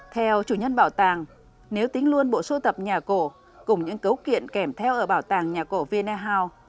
theo chủ nhân bảo tàng nếu tính luôn bộ sưu tập nhà cổ cùng những cấu kiện kèm theo ở bảo tàng nhà cổ vinahow